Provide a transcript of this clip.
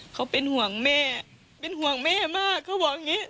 เขาเป็นห่วงแม่เป็นห่วงแม่มากเขาบอกอย่างนี้